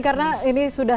karena ini sudah